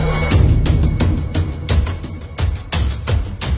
แล้วก็พอเล่ากับเขาก็คอยจับอย่างนี้ครับ